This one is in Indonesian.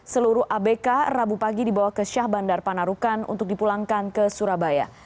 seluruh abk rabu pagi dibawa ke syah bandar panarukan untuk dipulangkan ke surabaya